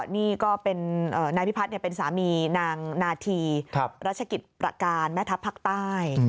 นี่ก็เป็นนายพิพัฒน์เป็นสามีนางนาธีรัชกิจประการแม่ทัพภาคใต้